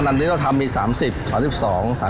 ขนาดนี้เราทำมี๓๐๓๒๓๔มี๓ไซส์